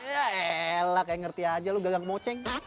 ya elah kayak ngerti aja lo gagang kemoceng